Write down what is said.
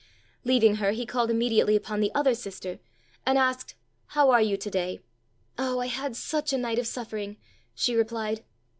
Leaving her he called immediately upon the other sister, and asked, "How are you to day?" "Oh, I had such a night of suffering!" she replied.